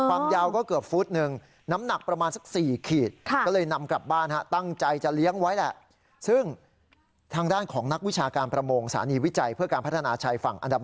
ปั๊บยาวก็เกือบฟุตหนึ่งน้ำหนักประมาณสักสี่ขีดค่ะ